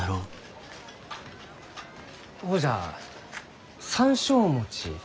ほうじゃ山椒餅。